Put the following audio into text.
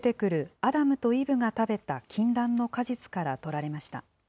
アダムとイブが食べた禁断の果実から取られました。